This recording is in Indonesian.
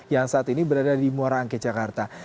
yang saat ini berada di muara angke jakarta